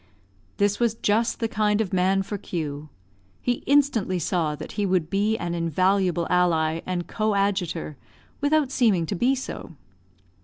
This was just the kind of man for Q . He instantly saw that he would be an invaluable ally and coadjutor, without seeming to be so.